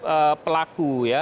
ee pelaku ya